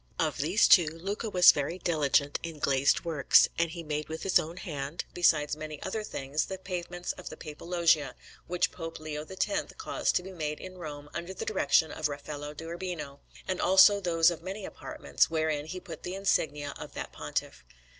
Of these two, Luca was very diligent in glazed works, and he made with his own hand, besides many other things, the pavements of the Papal Loggie which Pope Leo X caused to be made in Rome under the direction of Raffaello da Urbino, and also those of many apartments, wherein he put the insignia of that Pontiff.